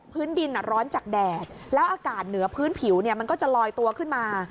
พื้นดินร้อนจากแดดแล้วอากาศเหนือพื้นผิวมันก็จะลอยตัวขึ้นมา